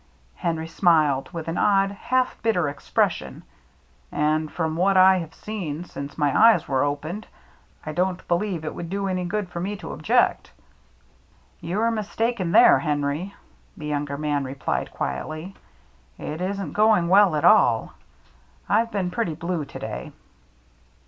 Henry smiled, with an odd, half bitter expression. "And from what I have seen since my eyes were opened, I don't believe it would do any good for me to object." "You are mistaken there, Henry," the younger man replied quietly; "it isn't going well at all. I've been pretty blue to day."